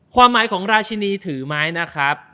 ความหมายของราชินีถือไม้นะครับ